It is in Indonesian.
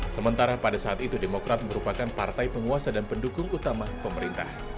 sementara pada saat itu demokrat merupakan partai penguasa dan pendukung utama pemerintah